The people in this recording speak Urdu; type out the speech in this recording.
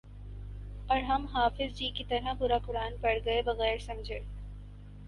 اور ہم حافظ جی کی طرح پورا قرآن پڑھ گئے بغیر سمجھے